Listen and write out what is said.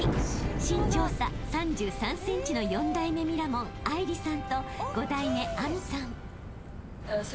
［身長差３３ｃｍの四代目ミラモン愛梨さんと五代目明未さん］